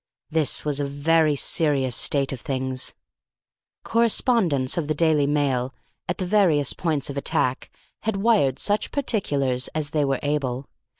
This was a very serious state of things. Correspondents of the Daily Mail at the various points of attack had wired such particulars as they were able.